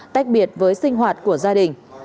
tách biệt với sinh hoạt của gia đình